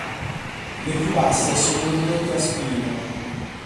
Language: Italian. Le più basse sono ridotte a spine.